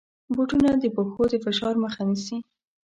بوټونه د پښو د فشار مخه نیسي.